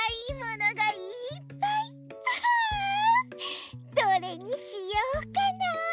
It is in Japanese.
あどれにしようかなあ？